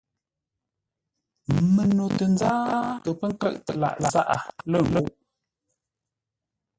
Məno tə nzáa kə pə́ nkə́ʼtə lâʼ záp lə́ ńgúʼ.